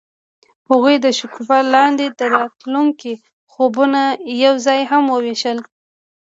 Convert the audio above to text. هغوی د شګوفه لاندې د راتلونکي خوبونه یوځای هم وویشل.